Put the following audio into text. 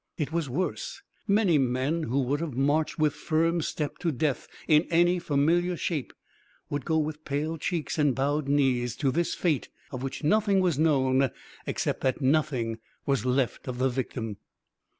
It was worse. Many men who would have marched with firm step to death in any familiar shape, would go with pale cheeks and bowed knees to this fate of which nothing was known except that nothing was left of the victim.